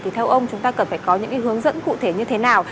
thì theo ông chúng ta cần phải có những hướng dẫn cụ thể như thế nào